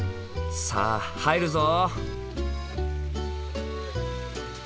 さあ入るぞ！